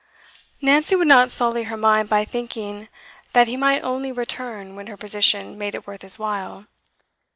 Nancy would not sully her mind by thinking that he might only return when her position made it worth his while.